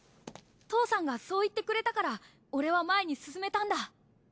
父さんがそう言ってくれたから俺は前に進めたんだ。